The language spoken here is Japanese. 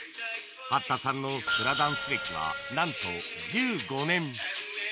八田さんのフラダンス歴は何と１５年。